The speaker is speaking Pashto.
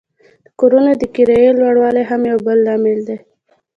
د کورونو د کرایې لوړوالی هم یو بل لامل دی